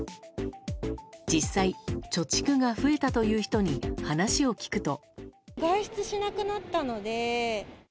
実際、貯蓄が増えたという人に話を聞くと。